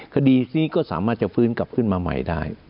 คดีนี้ก็สามารถจะฟื้นกลับขึ้นมาใหม่ได้